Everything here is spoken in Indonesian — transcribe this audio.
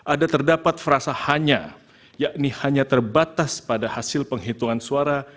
ada terdapat frasa hanya yakni hanya terbatas pada hasil penghitungan suara